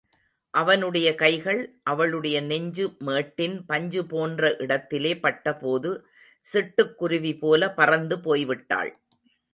அவனுடைய கைகள் அவளுடைய நெஞ்சு மேட்டின் பஞ்சு போன்ற இடத்திலே பட்டபோது சிட்டுக்குருவி போல பறந்து போய் விட்டாள்.